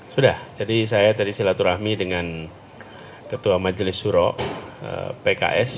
sudah jadi saya tadi silaturahmi dengan ketua majelis suro pks